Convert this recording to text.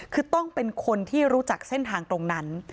คือต้องเป็นคนที่รู้จักเส้นทางตรงนั้น